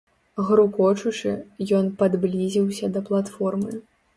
Грукочучы, ён падблізіўся да платформы.